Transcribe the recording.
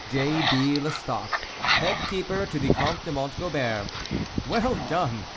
J. B. LESTOCQ, Head Keeper to the Comte de Mont Gobert. " Well done